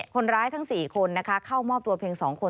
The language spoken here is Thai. คนร้ายทั้ง๔คนนะคะเข้ามอบตัวเพียง๒คน